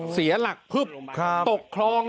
เสียหลักพึบตกคลอง